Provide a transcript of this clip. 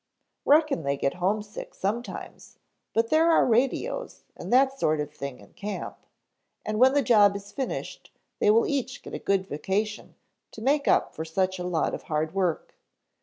"Reckon they get homesick sometimes, but there are radios, and that sort of thing in camp, and when the job is finished they will each get a good vacation to make up for such a lot of hard work.